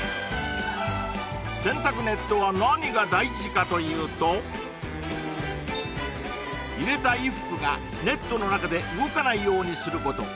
洗濯ネットは何が大事かというと入れた衣服がネットの中で動かないようにすること